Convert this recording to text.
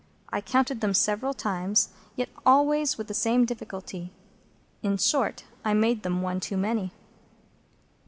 I counted them several times, yet always with the same difficulty. In short, I made them one too many.